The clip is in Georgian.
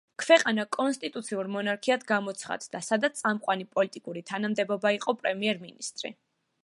ქვეყანა კონსტიტუციურ მონარქიად გამოცხადდა, სადაც წამყვანი პოლიტიკური თანამდებობა იყო პრემიერ-მინისტრი.